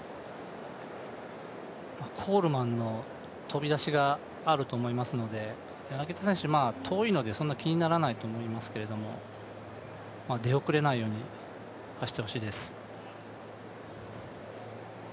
コールマンの飛び出しがあると思いますので柳田選手、遠いのでそんな気にならないと思いますけど、出遅れないように走ってほしいです。